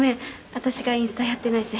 私がインスタやってないせい。